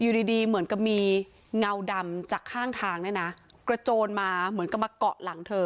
อยู่ดีดีเหมือนกับมีเงาดำจากข้างทางเนี่ยนะกระโจนมาเหมือนกับมาเกาะหลังเธอ